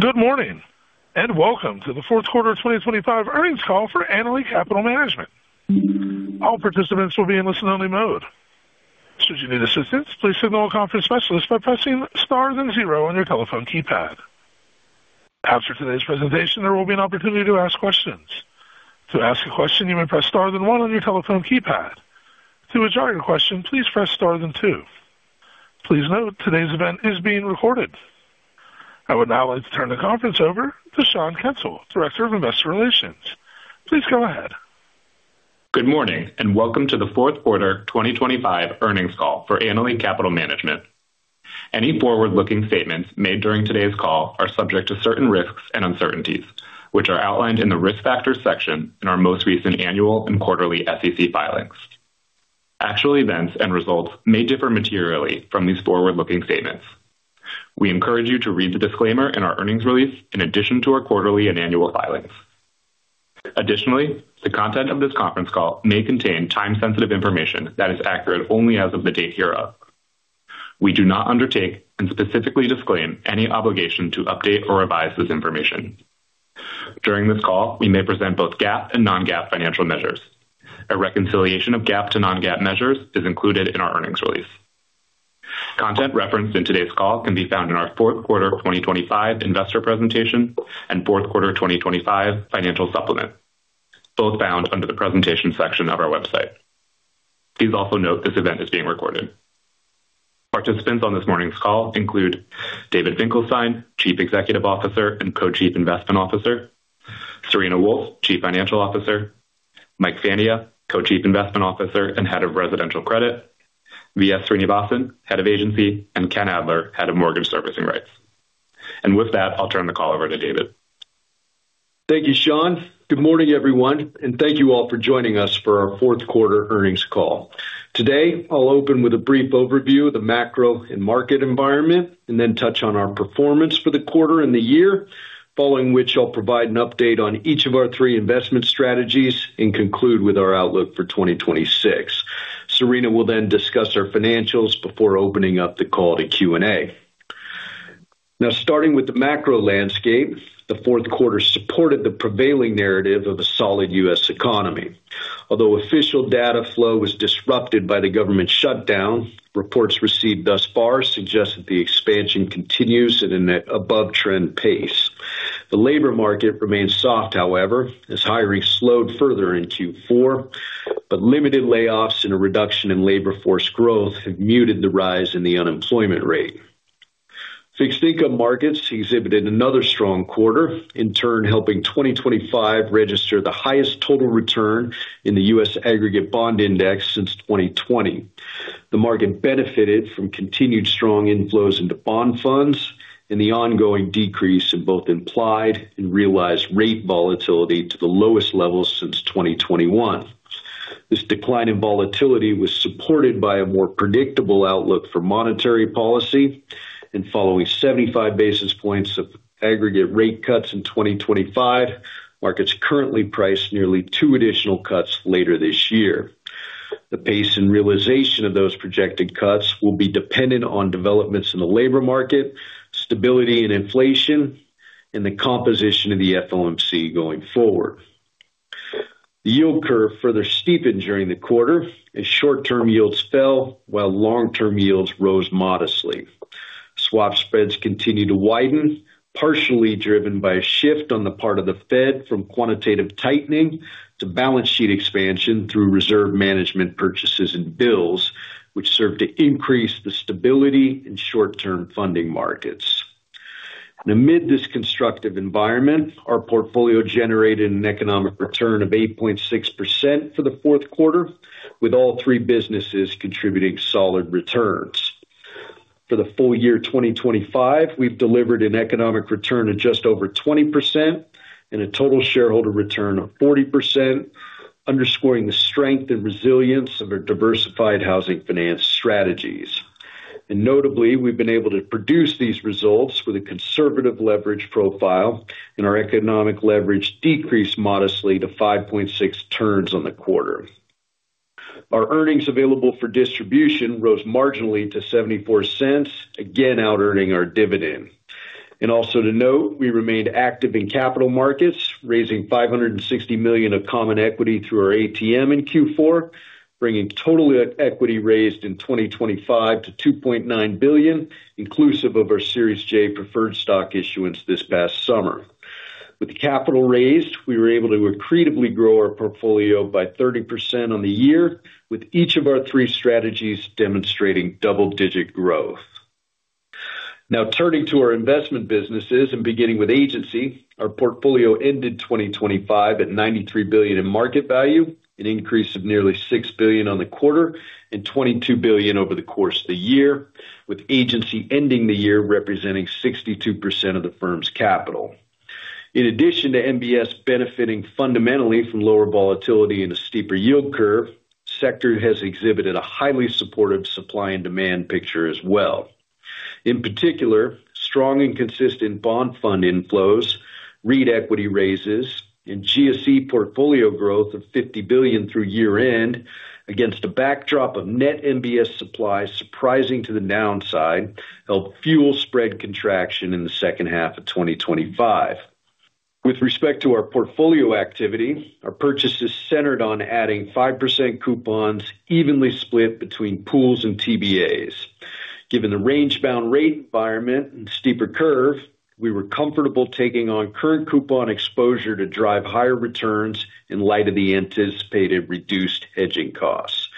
Good morning and welcome to the fourth quarter 2025 earnings call for Annaly Capital Management. All participants will be in listen-only mode. Should you need assistance, please signal a conference specialist by pressing star then zero on your telephone keypad. After today's presentation, there will be an opportunity to ask questions. To ask a question, you may press star then one on your telephone keypad. To adjourn your question, please press star then two. Please note today's event is being recorded. I would now like to turn the conference over to Sean Kensil, Director of Investor Relations. Please go ahead. Good morning and welcome to the fourth quarter 2025 earnings call for Annaly Capital Management. Any forward-looking statements made during today's call are subject to certain risks and uncertainties, which are outlined in the risk factors section in our most recent annual and quarterly SEC filings. Actual events and results may differ materially from these forward-looking statements. We encourage you to read the disclaimer in our earnings release in addition to our quarterly and annual filings. Additionally, the content of this conference call may contain time-sensitive information that is accurate only as of the date hereof. We do not undertake and specifically disclaim any obligation to update or revise this information. During this call, we may present both GAAP and non-GAAP financial measures. A reconciliation of GAAP to non-GAAP measures is included in our earnings release. Content referenced in today's call can be found in our fourth quarter 2025 investor presentation and fourth quarter 2025 financial supplement, both found under the presentation section of our website. Please also note this event is being recorded. Participants on this morning's call include David Finkelstein, Chief Executive Officer and Co-Chief Investment Officer, Serena Wolfe, Chief Financial Officer, Mike Fania, Co-Chief Investment Officer and Head of Residential Credit, V.S. Srinivasan, Head of Agency, and Ken Adler, Head of Mortgage Servicing Rights. With that, I'll turn the call over to David. Thank you, Sean. Good morning, everyone, and thank you all for joining us for our fourth quarter earnings call. Today, I'll open with a brief overview of the macro and market environment and then touch on our performance for the quarter and the year, following which I'll provide an update on each of our three investment strategies and conclude with our outlook for 2026. Serena will then discuss our financials before opening up the call to Q&A. Now, starting with the macro landscape, the fourth quarter supported the prevailing narrative of a solid U.S. economy. Although official data flow was disrupted by the government shutdown, reports received thus far suggest that the expansion continues at an above-trend pace. The labor market remained soft, however, as hiring slowed further in Q4, but limited layoffs and a reduction in labor force growth have muted the rise in the unemployment rate. Fixed income markets exhibited another strong quarter, in turn helping 2025 register the highest total return in the U.S. aggregate bond index since 2020. The market benefited from continued strong inflows into bond funds and the ongoing decrease in both implied and realized rate volatility to the lowest levels since 2021. This decline in volatility was supported by a more predictable outlook for monetary policy, and following 75 basis points of aggregate rate cuts in 2025, markets currently price nearly two additional cuts later this year. The pace and realization of those projected cuts will be dependent on developments in the labor market, stability in inflation, and the composition of the FOMC going forward. The yield curve further steepened during the quarter as short-term yields fell while long-term yields rose modestly. Swap spreads continued to widen, partially driven by a shift on the part of the Fed from Quantitative Tightening to balance sheet expansion through reserve management purchases and bills, which served to increase the stability in short-term funding markets. Amid this constructive environment, our portfolio generated an economic return of 8.6% for the fourth quarter, with all three businesses contributing solid returns. For the full year 2025, we've delivered an economic return of just over 20% and a total shareholder return of 40%, underscoring the strength and resilience of our diversified housing finance strategies. Notably, we've been able to produce these results with a conservative leverage profile, and our economic leverage decreased modestly to 5.6 turns on the quarter. Our Earnings Available for Distribution rose marginally to $0.74, again out-earning our dividend. Also to note, we remained active in capital markets, raising $560 million of common equity through our ATM in Q4, bringing total equity raised in 2025 to $2.9 billion, inclusive of our Series J preferred stock issuance this past summer. With the capital raised, we were able to accretively grow our portfolio by 30% on the year, with each of our three strategies demonstrating double-digit growth. Now turning to our investment businesses and beginning with agency, our portfolio ended 2025 at $93 billion in market value, an increase of nearly $6 billion on the quarter and $22 billion over the course of the year, with agency ending the year representing 62% of the firm's capital. In addition to MBS benefiting fundamentally from lower volatility and a steeper yield curve, the sector has exhibited a highly supportive supply and demand picture as well. In particular, strong and consistent bond fund inflows, REIT equity raises, and GSE portfolio growth of $50 billion through year-end against a backdrop of net MBS supply surprising to the downside helped fuel spread contraction in the second half of 2025. With respect to our portfolio activity, our purchases centered on adding 5% coupons evenly split between pools and TBAs. Given the range-bound rate environment and steeper curve, we were comfortable taking on current coupon exposure to drive higher returns in light of the anticipated reduced hedging costs.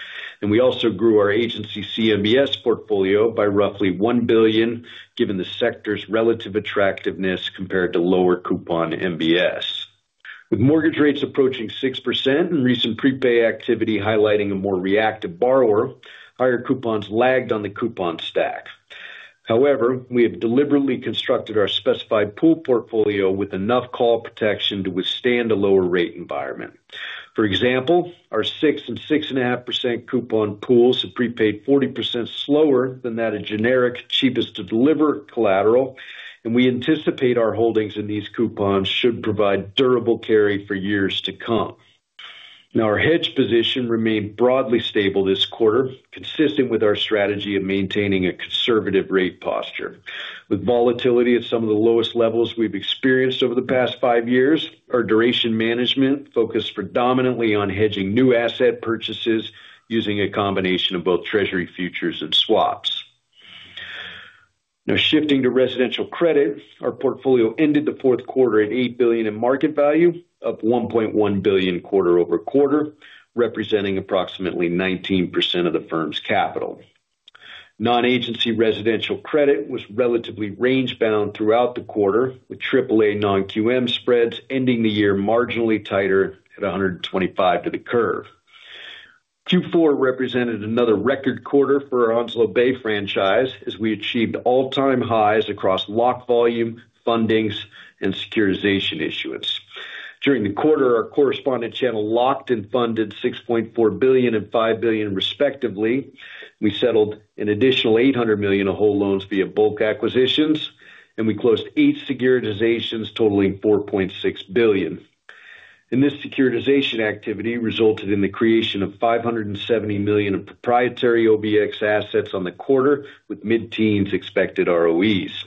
And we also grew our agency CMBS portfolio by roughly $1 billion, given the sector's relative attractiveness compared to lower coupon MBS. With mortgage rates approaching 6% and recent prepay activity highlighting a more reactive borrower, higher coupons lagged on the coupon stack. However, we have deliberately constructed our specified pool portfolio with enough call protection to withstand a lower rate environment. For example, our 6% and 6.5% coupon pools have prepaid 40% slower than that of generic cheapest-to-deliver collateral, and we anticipate our holdings in these coupons should provide durable carry for years to come. Now, our hedge position remained broadly stable this quarter, consistent with our strategy of maintaining a conservative rate posture. With volatility at some of the lowest levels we've experienced over the past five years, our duration management focused predominantly on hedging new asset purchases using a combination of both Treasury futures and swaps. Now shifting to residential credit, our portfolio ended the fourth quarter at $8 billion in market value, up $1.1 billion quarter-over-quarter, representing approximately 19% of the firm's capital. Non-agency residential credit was relatively range-bound throughout the quarter, with AAA non-QM spreads ending the year marginally tighter at 125 to the curve. Q4 represented another record quarter for our Onslow Bay franchise as we achieved all-time highs across lock volume, fundings, and securitization issuance. During the quarter, our correspondent channel locked and funded $6.4 billion and $5 billion respectively. We settled an additional $800 million of whole loans via bulk acquisitions, and we closed eight securitizations totaling $4.6 billion. And this securitization activity resulted in the creation of $570 million of proprietary OBX assets on the quarter with mid-teens expected ROEs.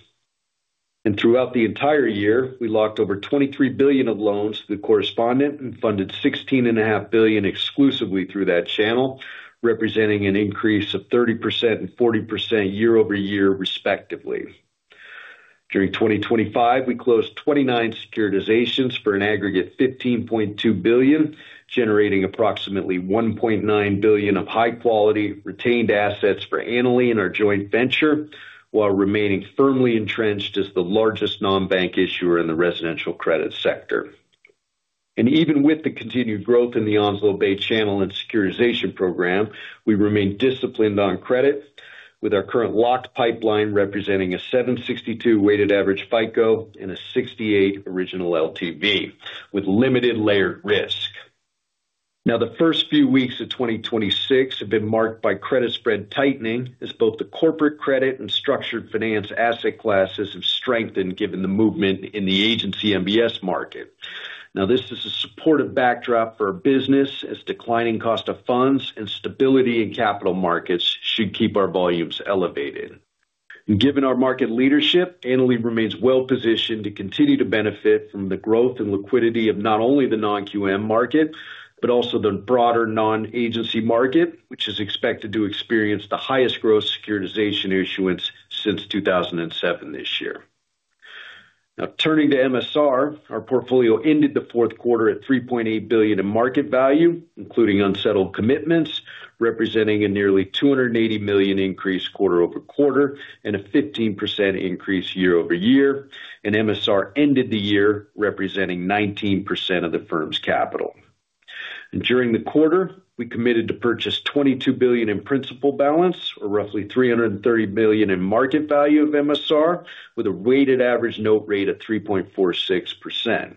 And throughout the entire year, we locked over $23 billion of loans to the correspondent and funded $16.5 billion exclusively through that channel, representing an increase of 30% and 40% year-over-year respectively. During 2025, we closed 29 securitizations for an aggregate $15.2 billion, generating approximately $1.9 billion of high-quality retained assets for Annaly and our joint venture, while remaining firmly entrenched as the largest non-bank issuer in the residential credit sector. Even with the continued growth in the Onslow Bay channel and securitization program, we remained disciplined on credit, with our current locked pipeline representing a 762 weighted average FICO and a 68 original LTV, with limited layered risk. Now, the first few weeks of 2026 have been marked by credit spread tightening as both the corporate credit and structured finance asset classes have strengthened given the movement in the agency MBS market. Now, this is a supportive backdrop for our business as declining cost of funds and stability in capital markets should keep our volumes elevated. Given our market leadership, Annaly remains well-positioned to continue to benefit from the growth and liquidity of not only the non-QM market, but also the broader non-agency market, which is expected to experience the highest growth securitization issuance since 2007 this year. Now, turning to MSR, our portfolio ended the fourth quarter at $3.8 billion in market value, including unsettled commitments, representing a nearly $280 million increase quarter-over-quarter and a 15% increase year-over-year. MSR ended the year representing 19% of the firm's capital. During the quarter, we committed to purchase $22 billion in principal balance, or roughly $330 million in market value of MSR, with a weighted average note rate of 3.46%.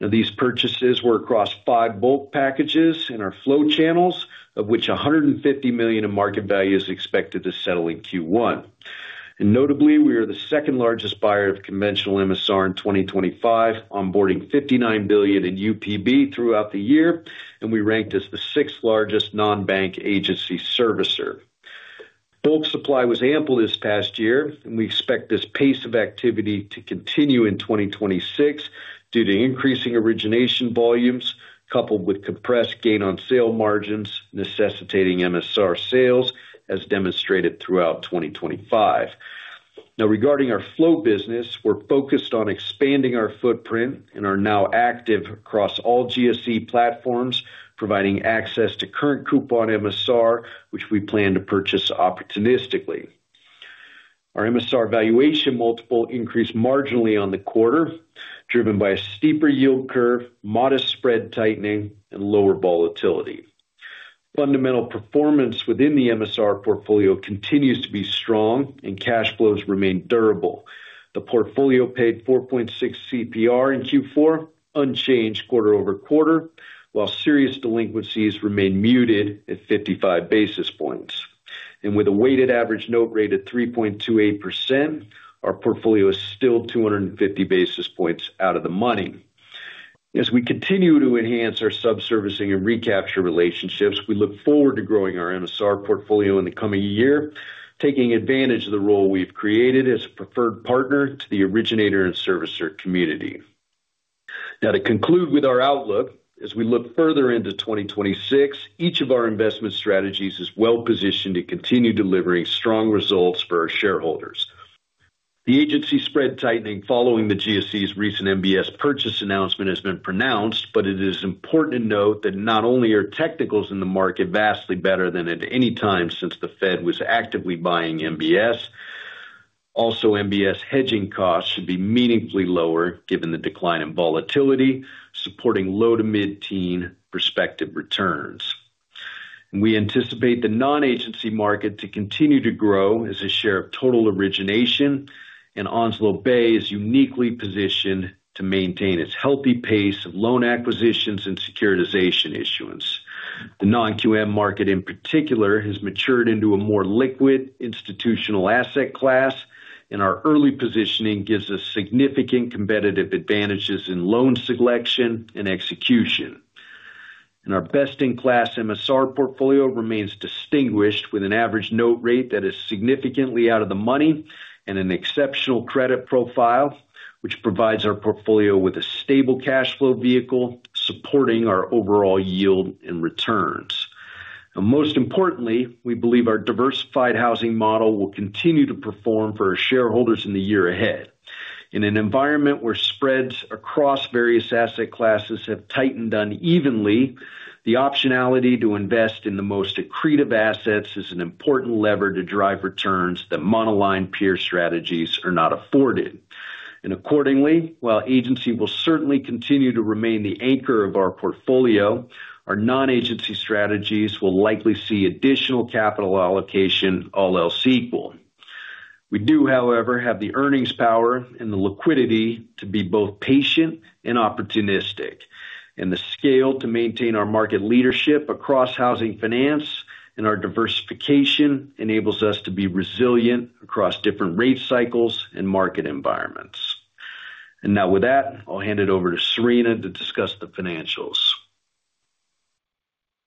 Now, these purchases were across five bulk packages in our flow channels, of which $150 million in market value is expected to settle in Q1. Notably, we are the second largest buyer of conventional MSR in 2025, onboarding $59 billion in UPB throughout the year, and we ranked as the sixth largest non-bank agency servicer. Bulk supply was ample this past year, and we expect this pace of activity to continue in 2026 due to increasing origination volumes coupled with compressed gain-on-sale margins necessitating MSR sales, as demonstrated throughout 2025. Now, regarding our flow business, we're focused on expanding our footprint and are now active across all GSE platforms, providing access to current coupon MSR, which we plan to purchase opportunistically. Our MSR valuation multiple increased marginally on the quarter, driven by a steeper yield curve, modest spread tightening, and lower volatility. Fundamental performance within the MSR portfolio continues to be strong, and cash flows remain durable. The portfolio paid 4.6 CPR in Q4, unchanged quarter over quarter, while serious delinquencies remain muted at 55 basis points. With a weighted average note rate of 3.28%, our portfolio is still 250 basis points out of the money. As we continue to enhance our sub-servicing and recapture relationships, we look forward to growing our MSR portfolio in the coming year, taking advantage of the role we've created as a preferred partner to the originator and servicer community. Now, to conclude with our outlook, as we look further into 2026, each of our investment strategies is well-positioned to continue delivering strong results for our shareholders. The agency spread tightening following the GSE's recent MBS purchase announcement has been pronounced, but it is important to note that not only are technicals in the market vastly better than at any time since the Fed was actively buying MBS, also MBS hedging costs should be meaningfully lower given the decline in volatility, supporting low to mid-teen prospective returns. And we anticipate the non-agency market to continue to grow as a share of total origination, and Onslow Bay is uniquely positioned to maintain its healthy pace of loan acquisitions and securitization issuance. The non-QM market in particular has matured into a more liquid institutional asset class, and our early positioning gives us significant competitive advantages in loan selection and execution. Our best-in-class MSR portfolio remains distinguished with an average note rate that is significantly out of the money and an exceptional credit profile, which provides our portfolio with a stable cash flow vehicle supporting our overall yield and returns. Most importantly, we believe our diversified housing model will continue to perform for our shareholders in the year ahead. In an environment where spreads across various asset classes have tightened unevenly, the optionality to invest in the most accretive assets is an important lever to drive returns that monoline peer strategies are not afforded. Accordingly, while agency will certainly continue to remain the anchor of our portfolio, our non-agency strategies will likely see additional capital allocation all else equal. We do, however, have the earnings power and the liquidity to be both patient and opportunistic. The scale to maintain our market leadership across housing finance and our diversification enables us to be resilient across different rate cycles and market environments. And now with that, I'll hand it over to Serena to discuss the financials.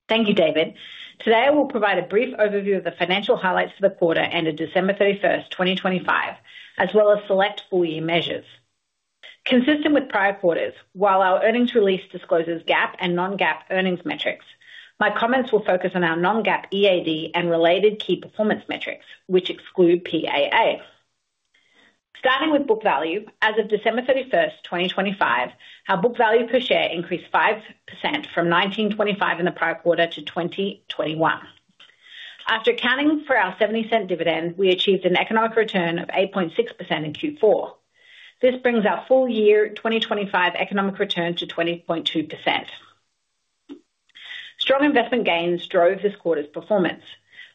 Thank you, David. Today, I will provide a brief overview of the financial highlights for the quarter ended December 31st, 2025, as well as select full-year measures. Consistent with prior quarters, while our earnings release discloses GAAP and non-GAAP earnings metrics, my comments will focus on our non-GAAP EAD and related key performance metrics, which exclude PAA. Starting with book value, as of December 31st, 2025, our book value per share increased 5% from $19.25 in the prior quarter to $20.21. After accounting for our $0.70 dividend, we achieved an economic return of 8.6% in Q4. This brings our full-year 2025 economic return to 20.2%. Strong investment gains drove this quarter's performance.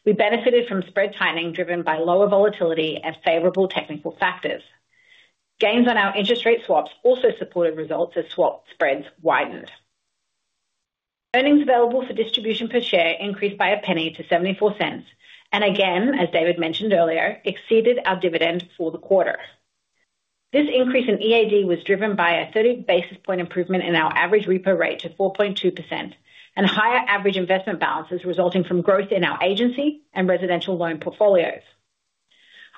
We benefited from spread tightening driven by lower volatility and favorable technical factors. Gains on our interest rate swaps also supported results as swap spreads widened. Earnings available for distribution per share increased by $0.01 to $0.74 and again, as David mentioned earlier, exceeded our dividend for the quarter. This increase in EAD was driven by a 30 basis points improvement in our average repo rate to 4.2% and higher average investment balances resulting from growth in our agency and residential loan portfolios.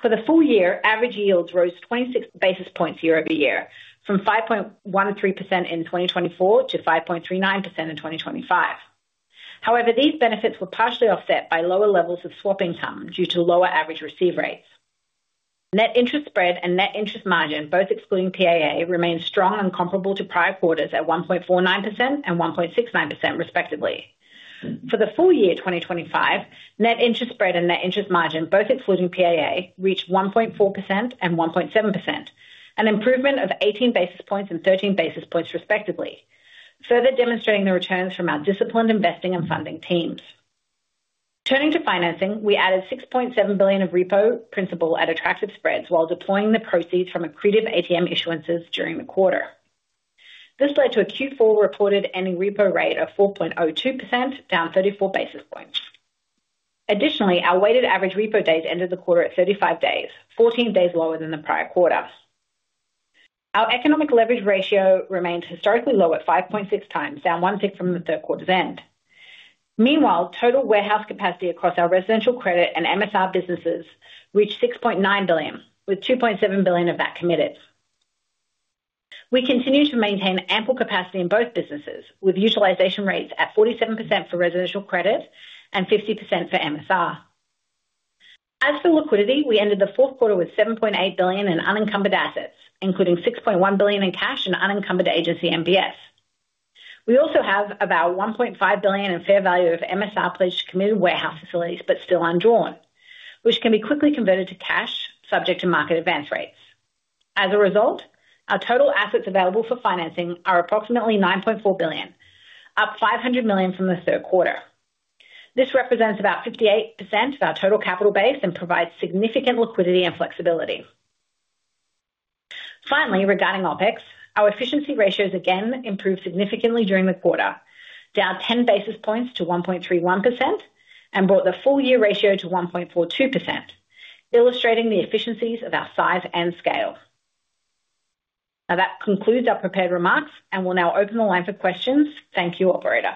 For the full-year, average yields rose 26 basis points year-over-year from 5.13% in 2024 to 5.39% in 2025. However, these benefits were partially offset by lower levels of swap income due to lower average receive rates. Net interest spread and net interest margin, both excluding PAA, remained strong and comparable to prior quarters at 1.49% and 1.69% respectively. For the full-year 2025, net interest spread and net interest margin, both excluding PAA, reached 1.4% and 1.7%, an improvement of 18 basis points and 13 basis points respectively, further demonstrating the returns from our disciplined investing and funding teams. Turning to financing, we added $6.7 billion of repo principal at attractive spreads while deploying the proceeds from accretive ATM issuances during the quarter. This led to a Q4 reported ending repo rate of 4.02%, down 34 basis points. Additionally, our weighted average repo days ended the quarter at 35 days, 14 days lower than the prior quarter. Our economic leverage ratio remained historically low at 5.6x, down one sixth from the third quarter's end. Meanwhile, total warehouse capacity across our residential credit and MSR businesses reached $6.9 billion, with $2.7 billion of that committed. We continue to maintain ample capacity in both businesses, with utilization rates at 47% for residential credit and 50% for MSR. As for liquidity, we ended the fourth quarter with $7.8 billion in unencumbered assets, including $6.1 billion in cash and unencumbered agency MBS. We also have about $1.5 billion in fair value of MSR pledged committed warehouse facilities, but still undrawn, which can be quickly converted to cash, subject to market advance rates. As a result, our total assets available for financing are approximately $9.4 billion, up $500 million from the third quarter. This represents about 58% of our total capital base and provides significant liquidity and flexibility. Finally, regarding OpEx, our efficiency ratios again improved significantly during the quarter, down 10 basis points to 1.31%, and brought the full-year ratio to 1.42%, illustrating the efficiencies of our size and scale. Now, that concludes our prepared remarks, and we'll now open the line for questions. Thank you, Operator.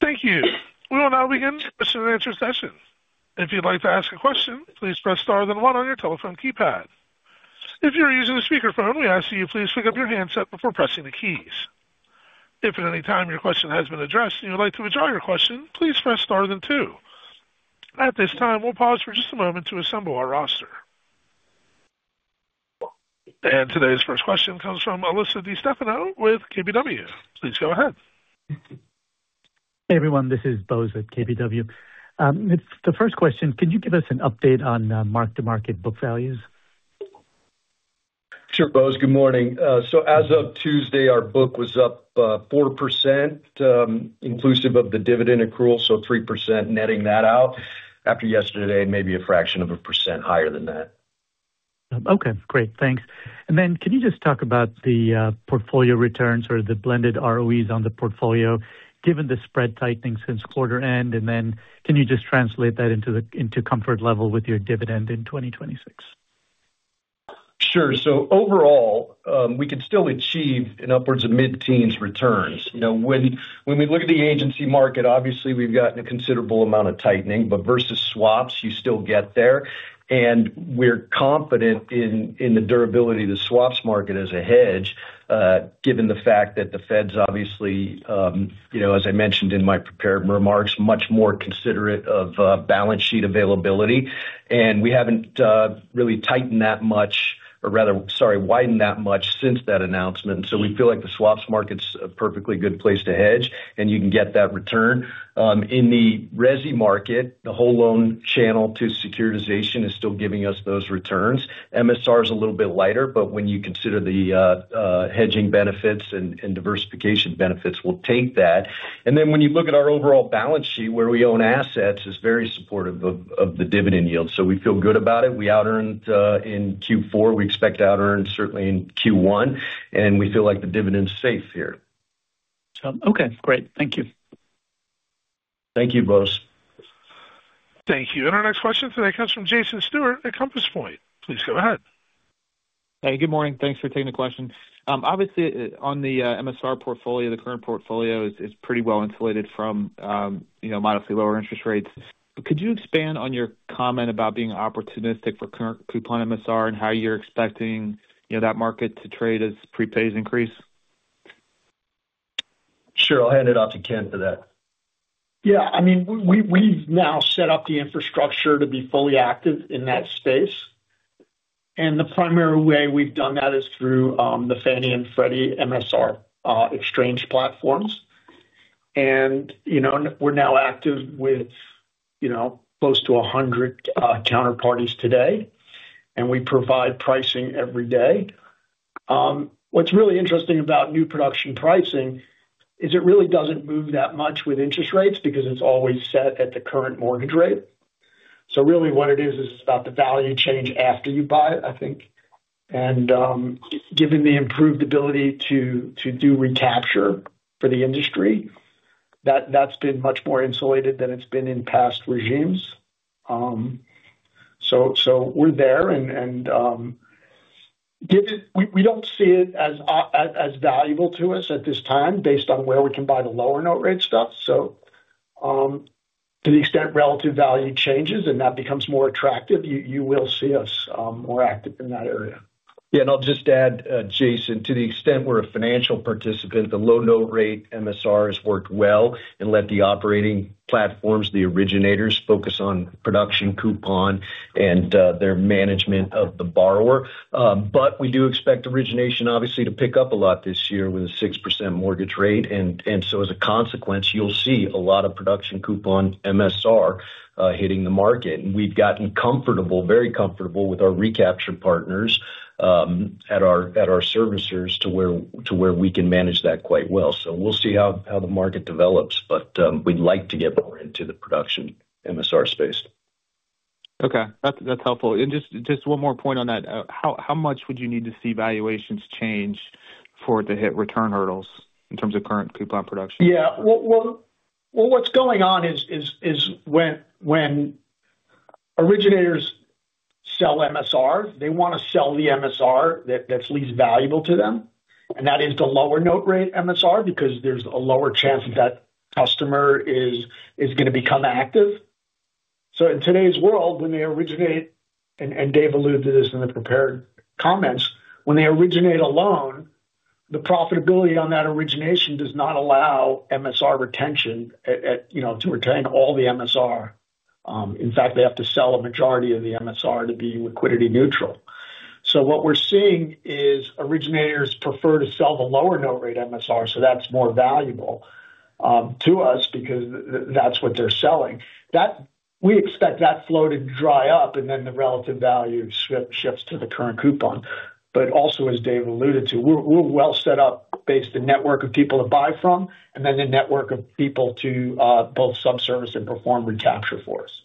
Thank you. We'll now begin to answer sessions. If you'd like to ask a question, please press star then one on your telephone keypad. If you're using a speakerphone, we ask that you please pick up your handset before pressing the keys. If at any time your question has been addressed and you'd like to withdraw your question, please press star then two. At this time, we'll pause for just a moment to assemble our roster. Today's first question comes from Alyssa DeStefano with KBW. Please go ahead. Hey, everyone. This is Bose at KBW. The first question, can you give us an update on mark-to-market book values? Sure, Bose. Good morning. So as of Tuesday, our book was up 4%, inclusive of the dividend accrual, so 3% netting that out. After yesterday, maybe a fraction of a percent higher than that. Okay. Great. Thanks. And then can you just talk about the portfolio returns or the blended ROEs on the portfolio given the spread tightening since quarter end? And then can you just translate that into comfort level with your dividend in 2026? Sure. So overall, we could still achieve an upwards of mid-teens returns. When we look at the agency market, obviously, we've gotten a considerable amount of tightening, but versus swaps, you still get there. We're confident in the durability of the swaps market as a hedge, given the fact that the Fed's obviously, as I mentioned in my prepared remarks, much more considerate of balance sheet availability. We haven't really tightened that much, or rather, sorry, widened that much since that announcement. So we feel like the swaps market's a perfectly good place to hedge, and you can get that return. In the RESI market, the whole loan channel to securitization is still giving us those returns. MSR is a little bit lighter, but when you consider the hedging benefits and diversification benefits, we'll take that. When you look at our overall balance sheet, where we own assets, is very supportive of the dividend yield. So we feel good about it. We out-earned in Q4. We expect to out-earn certainly in Q1, and we feel like the dividend's safe here. Okay. Great. Thank you. Thank you, Bose. Thank you. And our next question today comes from Jason Stewart at Compass Point. Please go ahead. Hey, good morning. Thanks for taking the question. Obviously, on the MSR portfolio, the current portfolio is pretty well insulated from modestly lower interest rates. Could you expand on your comment about being opportunistic for current coupon MSR and how you're expecting that market to trade as prepays increase? Sure. I'll hand it off to Ken for that. Yeah. I mean, we've now set up the infrastructure to be fully active in that space. And the primary way we've done that is through the Fannie and Freddie MSR exchange platforms. And we're now active with close to 100 counterparties today, and we provide pricing every day. What's really interesting about new production pricing is it really doesn't move that much with interest rates because it's always set at the current mortgage rate. So really, what it is, is it's about the value change after you buy it, I think. And given the improved ability to do recapture for the industry, that's been much more insulated than it's been in past regimes. So we're there. And we don't see it as valuable to us at this time based on where we can buy the lower note rate stuff. So to the extent relative value changes and that becomes more attractive, you will see us more active in that area. Yeah. And I'll just add, Jason, to the extent we're a financial participant, the low note rate MSR has worked well and let the operating platforms, the originators, focus on production coupon and their management of the borrower. But we do expect origination, obviously, to pick up a lot this year with a 6% mortgage rate. And so as a consequence, you'll see a lot of production coupon MSR hitting the market. And we've gotten comfortable, very comfortable with our recapture partners at our servicers to where we can manage that quite well. So we'll see how the market develops, but we'd like to get more into the production MSR space. Okay. That's helpful. And just one more point on that. How much would you need to see valuations change for it to hit return hurdles in terms of current coupon production? Yeah. Well, what's going on is when originators sell MSR, they want to sell the MSR that's least valuable to them. And that is the lower note rate MSR because there's a lower chance that that customer is going to become active. So in today's world, when they originate, and Dave alluded to this in the prepared comments, when they originate a loan, the profitability on that origination does not allow MSR retention to retain all the MSR. In fact, they have to sell a majority of the MSR to be liquidity neutral. So what we're seeing is originators prefer to sell the lower note rate MSR, so that's more valuable to us because that's what they're selling. We expect that flow to dry up, and then the relative value shifts to the current coupon. But also, as Dave alluded to, we're well set up based on the network of people to buy from and then the network of people to both subservice and perform recapture for us.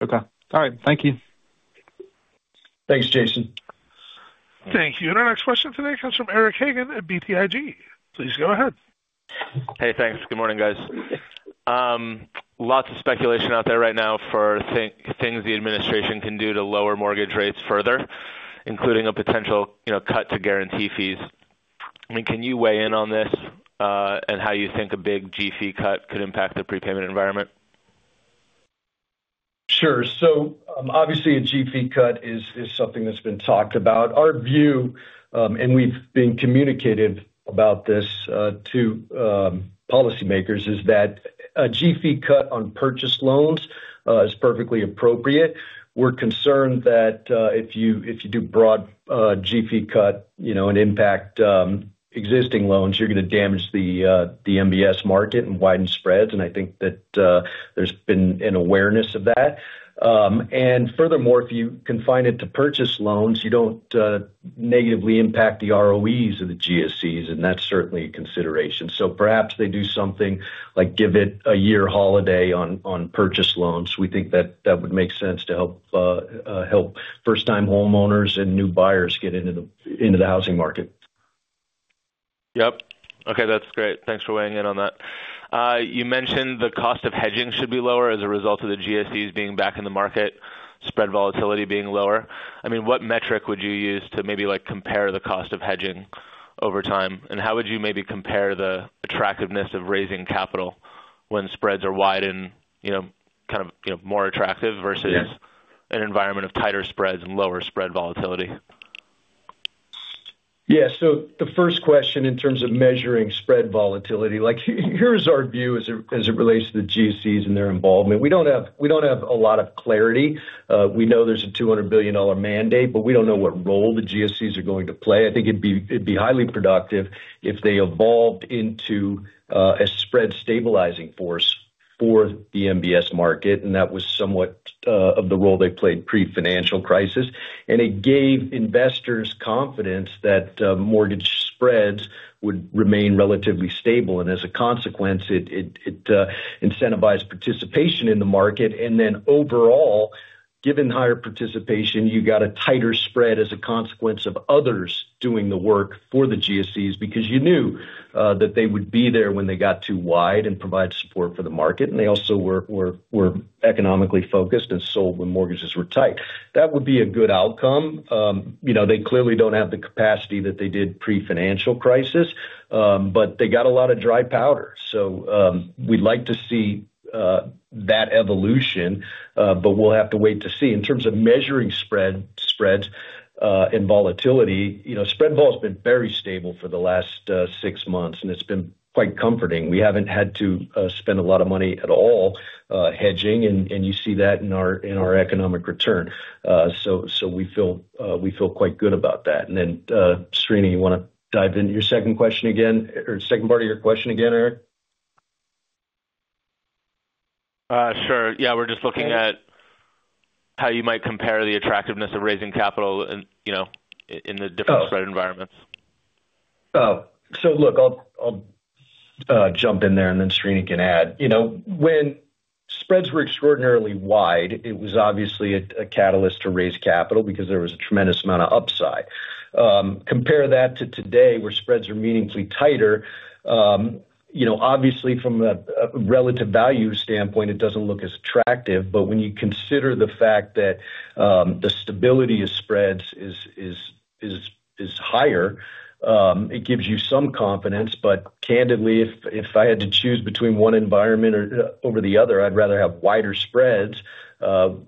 Okay. All right. Thank you. Thanks, Jason. Thank you. And our next question today comes from Eric Hagen at BTIG. Please go ahead. Hey, thanks. Good morning, guys. Lots of speculation out there right now for things the administration can do to lower mortgage rates further, including a potential cut to guarantee fees. I mean, can you weigh in on this and how you think a big G-fee cut could impact the prepayment environment? Sure. So obviously, a G-fee cut is something that's been talked about. Our view, and we've been communicated about this to policymakers, is that a G-fee cut on purchase loans is perfectly appropriate. We're concerned that if you do broad G-fee cut and impact existing loans, you're going to damage the MBS market and widen spreads. And I think that there's been an awareness of that. And furthermore, if you confine it to purchase loans, you don't negatively impact the ROEs of the GSEs, and that's certainly a consideration. So perhaps they do something like give it a year holiday on purchase loans. We think that that would make sense to help first-time homeowners and new buyers get into the housing market. Yep. Okay. That's great. Thanks for weighing in on that. You mentioned the cost of hedging should be lower as a result of the GSEs being back in the market, spread volatility being lower. I mean, what metric would you use to maybe compare the cost of hedging over time? And how would you maybe compare the attractiveness of raising capital when spreads are widened, kind of more attractive versus an environment of tighter spreads and lower spread volatility? Yeah. So the first question in terms of measuring spread volatility, here's our view as it relates to the GSEs and their involvement. We don't have a lot of clarity. We know there's a $200 billion mandate, but we don't know what role the GSEs are going to play. I think it'd be highly productive if they evolved into a spread stabilizing force for the MBS market. And that was somewhat of the role they played pre-financial crisis. And it gave investors confidence that mortgage spreads would remain relatively stable. And as a consequence, it incentivized participation in the market. And then overall, given higher participation, you got a tighter spread as a consequence of others doing the work for the GSEs because you knew that they would be there when they got too wide and provide support for the market. And they also were economically focused and sold when mortgages were tight. That would be a good outcome. They clearly don't have the capacity that they did pre-financial crisis, but they got a lot of dry powder. So we'd like to see that evolution, but we'll have to wait to see. In terms of measuring spreads and volatility, spread vol has been very stable for the last six months, and it's been quite comforting. We haven't had to spend a lot of money at all hedging, and you see that in our economic return. So we feel quite good about that. And then, Srini, you want to dive into your second question again or second part of your question again, Eric? Sure. Yeah. We're just looking at how you might compare the attractiveness of raising capital in the different spread environments. So look, I'll jump in there, and then Srini can add. When spreads were extraordinarily wide, it was obviously a catalyst to raise capital because there was a tremendous amount of upside. Compare that to today, where spreads are meaningfully tighter. Obviously, from a relative value standpoint, it doesn't look as attractive. But when you consider the fact that the stability of spreads is higher, it gives you some confidence. But candidly, if I had to choose between one environment over the other, I'd rather have wider spreads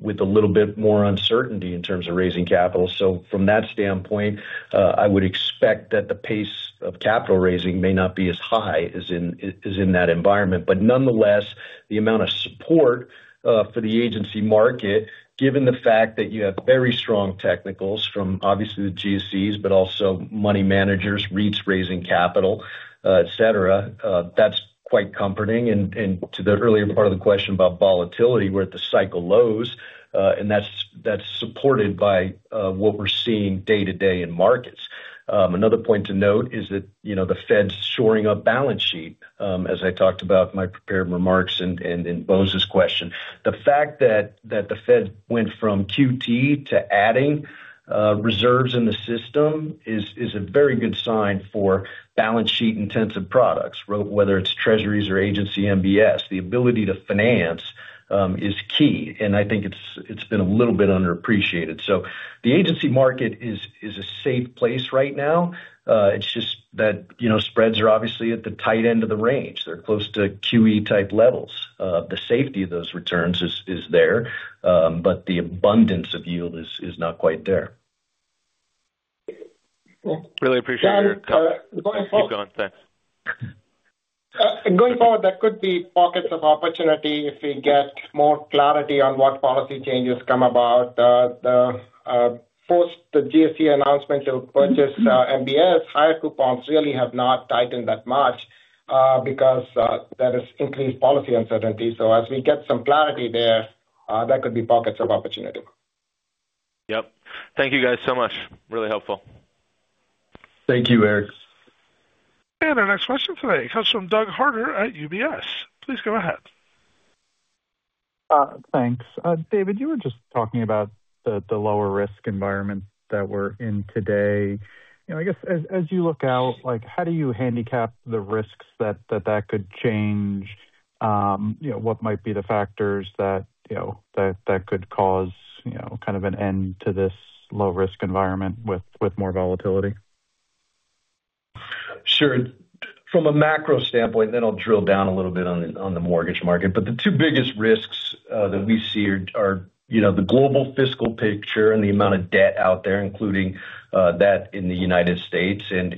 with a little bit more uncertainty in terms of raising capital. So from that standpoint, I would expect that the pace of capital raising may not be as high as in that environment. But nonetheless, the amount of support for the agency market, given the fact that you have very strong technicals from obviously the GSEs, but also money managers, REITs raising capital, etc., that's quite comforting. And to the earlier part of the question about volatility, we're at the cycle lows, and that's supported by what we're seeing day-to-day in markets. Another point to note is that the Fed's shoring up balance sheet, as I talked about in my prepared remarks and in Bose's question. The fact that the Fed went from QT to adding reserves in the system is a very good sign for balance sheet-intensive products, whether it's Treasuries or Agency MBS. The ability to finance is key. And I think it's been a little bit underappreciated. So the agency market is a safe place right now. It's just that spreads are obviously at the tight end of the range. They're close to QE-type levels. The safety of those returns is there, but the abundance of yield is not quite there. Really appreciate your comment. Keep going. Thanks. Going forward, there could be pockets of opportunity if we get more clarity on what policy changes come about. Post the GSE announcement to purchase MBS, higher coupons really have not tightened that much because there is increased policy uncertainty. So as we get some clarity there, there could be pockets of opportunity. Yep. Thank you guys so much. Really helpful. Thank you, Eric. And our next question today comes from Doug Harter at UBS. Please go ahead. Thanks. David, you were just talking about the lower risk environment that we're in today. I guess as you look out, how do you handicap the risks that that could change? What might be the factors that could cause kind of an end to this low-risk environment with more volatility? Sure. From a macro standpoint, then I'll drill down a little bit on the mortgage market. But the two biggest risks that we see are the global fiscal picture and the amount of debt out there, including that in the United States, and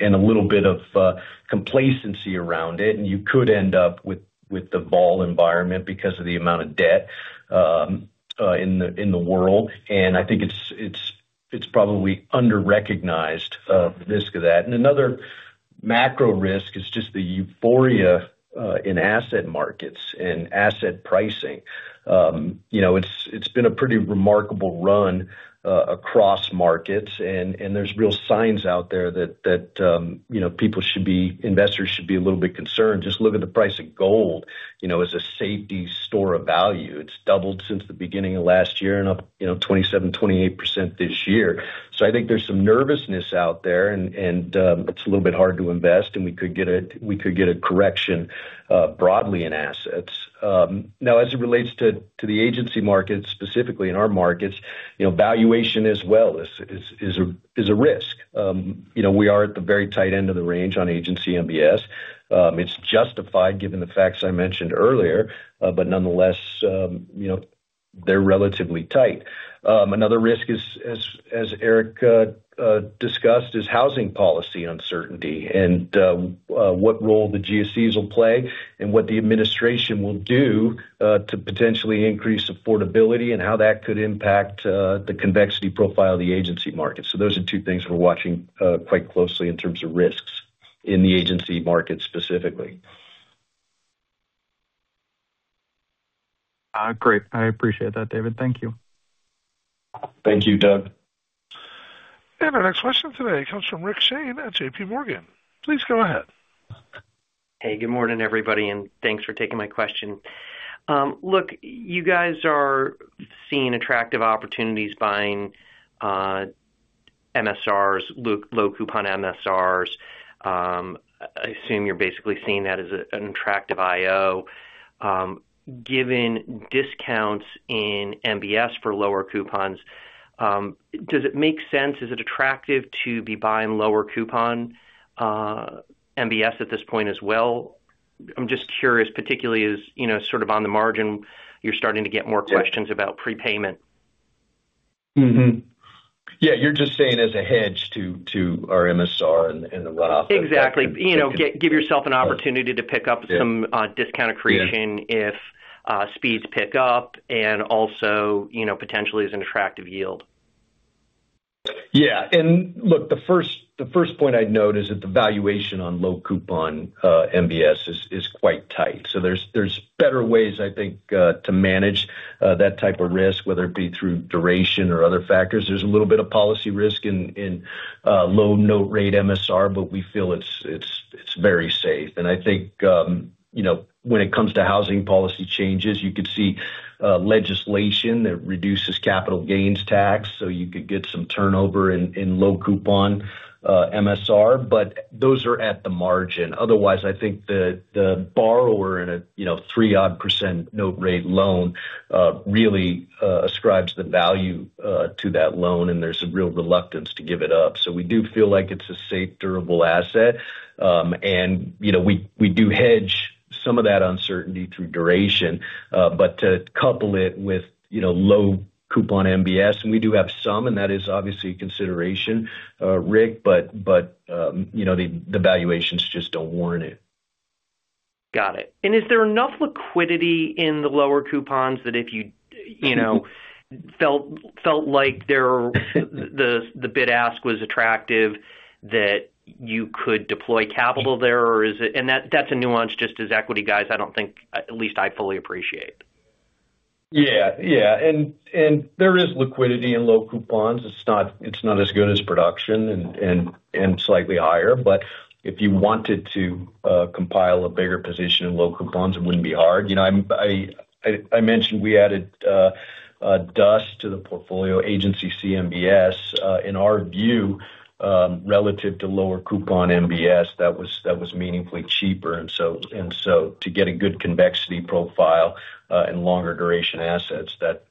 a little bit of complacency around it. And you could end up with the bear environment because of the amount of debt in the world. And I think it's probably under-recognized risk of that. And another macro risk is just the euphoria in asset markets and asset pricing. It's been a pretty remarkable run across markets, and there's real signs out there that people should be, investors should be a little bit concerned. Just look at the price of gold as a safe store of value. It's doubled since the beginning of last year and up 27%-28% this year. So I think there's some nervousness out there, and it's a little bit hard to invest, and we could get a correction broadly in assets. Now, as it relates to the agency markets, specifically in our markets, valuation as well is a risk. We are at the very tight end of the range on Agency MBS. It's justified given the facts I mentioned earlier, but nonetheless, they're relatively tight. Another risk, as Eric discussed, is housing policy uncertainty and what role the GSEs will play and what the administration will do to potentially increase affordability and how that could impact the convexity profile of the agency markets. So those are two things we're watching quite closely in terms of risks in the agency markets specifically. Great. I appreciate that, David. Thank you. Thank you, Doug. And our next question today comes from Rick Shane at JP Morgan. Please go ahead. Hey, good morning, everybody, and thanks for taking my question. Look, you guys are seeing attractive opportunities buying MSRs, low-coupon MSRs. I assume you're basically seeing that as an attractive IO. Given discounts in MBS for lower coupons, does it make sense? Is it attractive to be buying lower-coupon MBS at this point as well? I'm just curious, particularly as sort of on the margin, you're starting to get more questions about prepayment. Yeah. You're just saying as a hedge to our MSR and the run-off. Exactly. Give yourself an opportunity to pick up some discount accretion if speeds pick up and also potentially is an attractive yield. Yeah. And look, the first point I'd note is that the valuation on low-coupon MBS is quite tight. So there's better ways, I think, to manage that type of risk, whether it be through duration or other factors. There's a little bit of policy risk in low-note rate MSR, but we feel it's very safe. And I think when it comes to housing policy changes, you could see legislation that reduces capital gains tax, so you could get some turnover in low-coupon MSR. But those are at the margin. Otherwise, I think the borrower in a 3%-odd note rate loan really ascribes the value to that loan, and there's a real reluctance to give it up. So we do feel like it's a safe, durable asset. And we do hedge some of that uncertainty through duration, but to couple it with low-coupon MBS, and we do have some, and that is obviously a consideration, Rick, but the valuations just don't warrant it. Got it. And is there enough liquidity in the lower coupons that if you felt like the bid-ask was attractive that you could deploy capital there? And that's a nuance just as equity guys I don't think, at least I fully appreciate. Yeah. Yeah. And there is liquidity in low coupons. It's not as good as production and slightly higher. But if you wanted to compile a bigger position in low coupons, it wouldn't be hard. I mentioned we added DUS to the portfolio, agency CMBS. In our view, relative to lower-coupon MBS, that was meaningfully cheaper. And so to get a good convexity profile and longer duration assets, that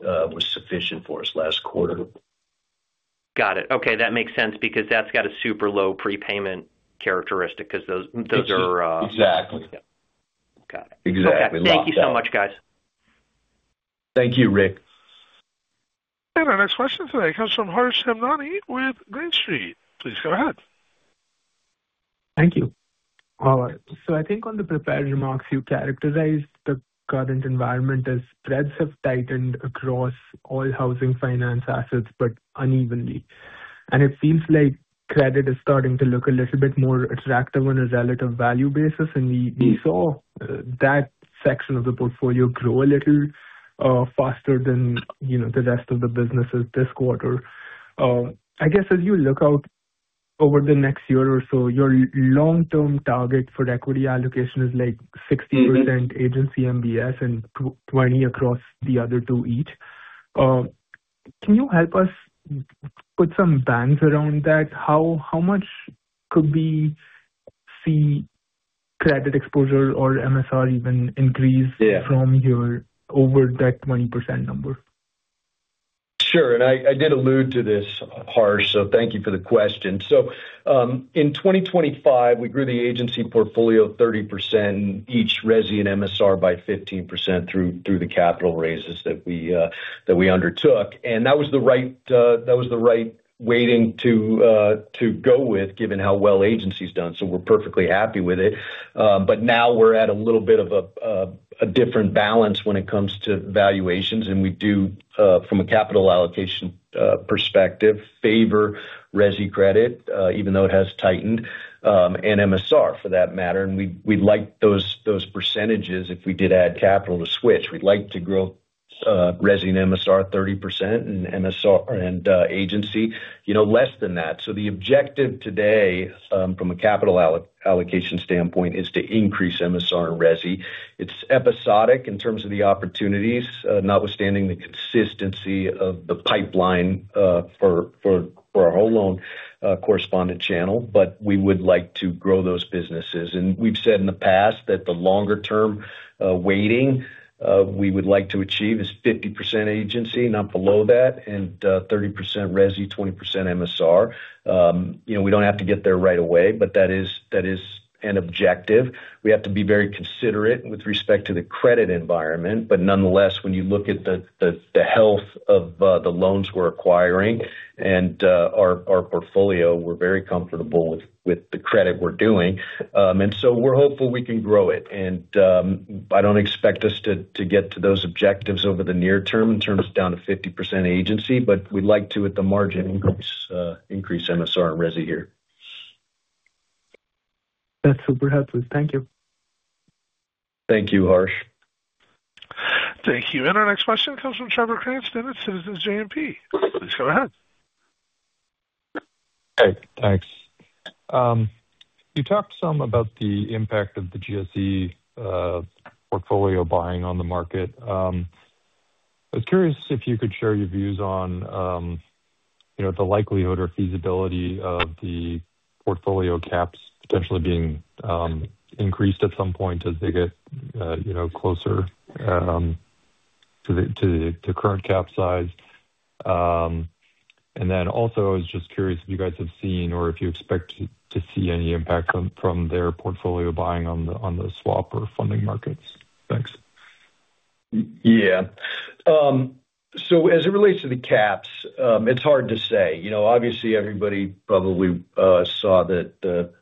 was sufficient for us last quarter. Got it. Okay. That makes sense because that's got a super low prepayment characteristic because those are. Exactly. Got it. Exactly. Thank you so much, guys. Thank you, Rick. And our next question today comes from Harsh Hemnani with Green Street. Please go ahead. Thank you. All right. So I think on the prepared remarks, you characterized the current environment as spreads have tightened across all housing finance assets, but unevenly. And it seems like credit is starting to look a little bit more attractive on a relative value basis. And we saw that section of the portfolio grow a little faster than the rest of the businesses this quarter. I guess as you look out over the next year or so, your long-term target for equity allocation is like 60% Agency MBS and 20% across the other two each. Can you help us put some bands around that? How much could we see credit exposure or MSR even increase from over that 20% number? Sure. And I did allude to this, Harsh, so thank you for the question. So in 2025, we grew the agency portfolio 30% and each RESI and MSR by 15% through the capital raises that we undertook. And that was the right weighting to go with given how well agency's done. So we're perfectly happy with it. But now we're at a little bit of a different balance when it comes to valuations. And we do, from a capital allocation perspective, favor RESI credit, even though it has tightened, and MSR for that matter. And we'd like those percentages if we did add capital to switch. We'd like to grow RESI and MSR 30% and agency less than that. So the objective today from a capital allocation standpoint is to increase MSR and RESI. It's episodic in terms of the opportunities, notwithstanding the consistency of the pipeline for our whole loan correspondent channel. But we would like to grow those businesses. And we've said in the past that the longer-term weighting we would like to achieve is 50% agency, not below that, and 30% RESI, 20% MSR. We don't have to get there right away, but that is an objective. We have to be very considerate with respect to the credit environment. But nonetheless, when you look at the health of the loans we're acquiring and our portfolio, we're very comfortable with the credit we're doing. And so we're hopeful we can grow it. And I don't expect us to get to those objectives over the near term in terms of down to 50% agency, but we'd like to, at the margin, increase MSR and RESI here. That's super helpful. Thank you. Thank you, Harsh. Thank you. And our next question comes from Trevor Cranston, Citizens JMP. Please go ahead. Hey. Thanks. You talked some about the impact of the GSE portfolio buying on the market. I was curious if you could share your views on the likelihood or feasibility of the portfolio caps potentially being increased at some point as they get closer to the current cap size. And then also, I was just curious if you guys have seen or if you expect to see any impact from their portfolio buying on the swap or funding markets. Thanks. Yeah. So as it relates to the caps, it's hard to say. Obviously, everybody probably saw the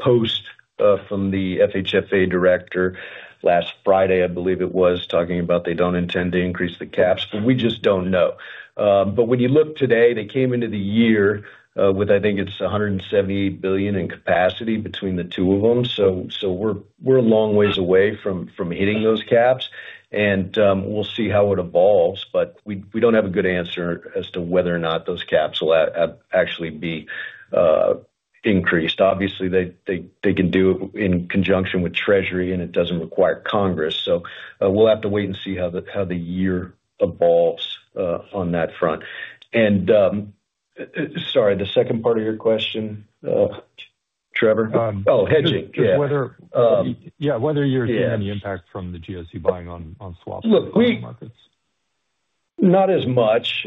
post from the FHFA director last Friday, I believe it was, talking about they don't intend to increase the caps, but we just don't know. But when you look today, they came into the year with, I think it's $178 billion in capacity between the two of them. So we're a long ways away from hitting those caps. And we'll see how it evolves. But we don't have a good answer as to whether or not those caps will actually be increased. Obviously, they can do it in conjunction with Treasury, and it doesn't require Congress. So we'll have to wait and see how the year evolves on that front. And sorry, the second part of your question, Trevor? Oh, hedging. Yeah. Whether you're seeing any impact from the GSE buying on swap markets. Look, we're not as much.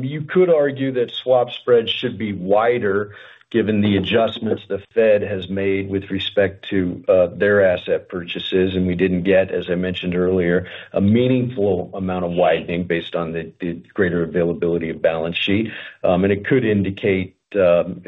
You could argue that swap spreads should be wider given the adjustments the Fed has made with respect to their asset purchases. And we didn't get, as I mentioned earlier, a meaningful amount of widening based on the greater availability of balance sheet. And it could indicate some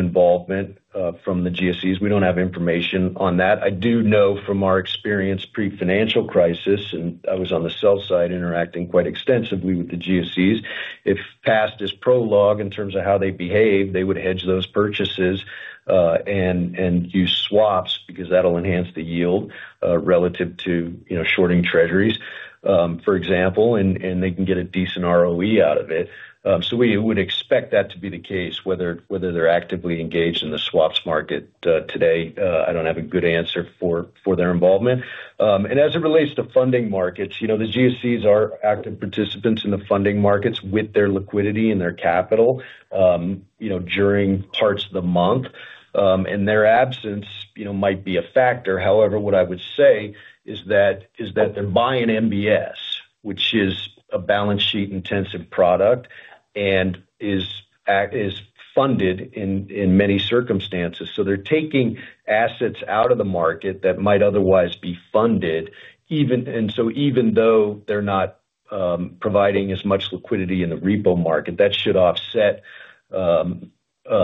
involvement from the GSEs. We don't have information on that. I do know from our experience pre-financial crisis, and I was on the sell side interacting quite extensively with the GSEs, if past is prologue in terms of how they behave, they would hedge those purchases and use swaps because that'll enhance the yield relative to shorting Treasuries, for example, and they can get a decent ROE out of it. So we would expect that to be the case. Whether they're actively engaged in the swaps market today, I don't have a good answer for their involvement. And as it relates to funding markets, the GSEs are active participants in the funding markets with their liquidity and their capital during parts of the month. And their absence might be a factor. However, what I would say is that they're buying MBS, which is a balance sheet-intensive product and is funded in many circumstances. So they're taking assets out of the market that might otherwise be funded. And so even though they're not providing as much liquidity in the repo market, that should offset the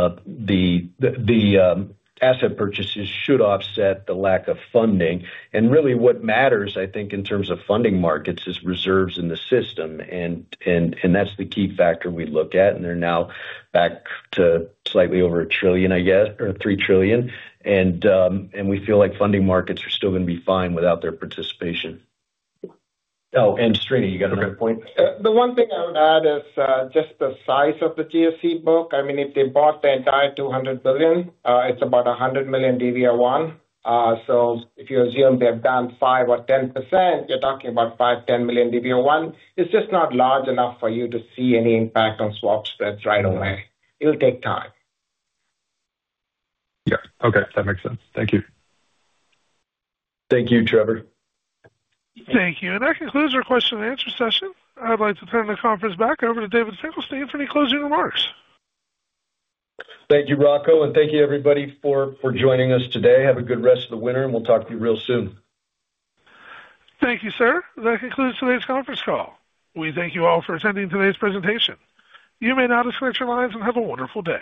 asset purchases should offset the lack of funding. And really what matters, I think, in terms of funding markets is reserves in the system. And that's the key factor we look at. And they're now back to slightly over $1 trillion, I guess, or $3 trillion. And we feel like funding markets are still going to be fine without their participation. Oh, and Srini, you got another point. The one thing I would add is just the size of the GSE book. I mean, if they bought the entire $200 billion, it's about $100 million DV01. So if you assume they've done 5% or 10%, you're talking about $5 million-$10 million DV01. It's just not large enough for you to see any impact on swap spreads right away. It'll take time. Yeah. Okay. That makes sense. Thank you. Thank you, Trevor. Thank you. And that concludes our question-and-answer session. I'd like to turn the conference back over to David Finkelstein for any closing remarks. Thank you, [Rocco]. And thank you, everybody, for joining us today. Have a good rest of the winter, and we'll talk to you real soon. Thank you, sir. That concludes today's conference call. We thank you all for attending today's presentation. You may now disconnect your lines and have a wonderful day.